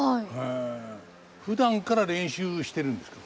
ふだんから練習してるんですか？